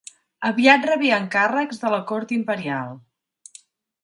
Aviat rebé encàrrecs de la cort imperial.